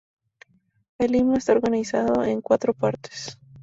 El himno está organizado en cuatro partes.